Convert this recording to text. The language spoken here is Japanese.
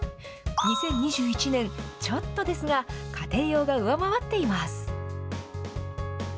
２０２１年、ちょっとですが、家庭用が上回っています。